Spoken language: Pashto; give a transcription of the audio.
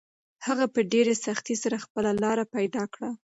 هغه په ډېرې سختۍ سره خپله لاره پیدا کړه.